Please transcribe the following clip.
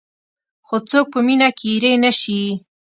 څو څوک په مینه کې اېرې نه شي.